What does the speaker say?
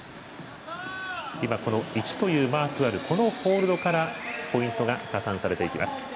１というマークのあるホールドからポイントが加算されていきます。